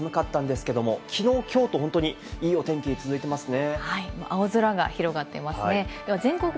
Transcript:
日曜日、雨で寒かったんですけれども、きのう、きょうと本当にいいお天気が続いてますね。